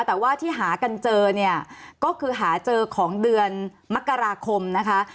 แต่ว่าที่หากันเจอเนี่ยก็คือหาเจอของเดือนมกราคมนะคะ